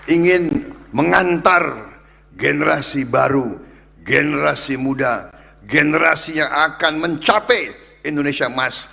ingin mengantar generasi baru generasi muda generasi yang akan mencapai indonesia emas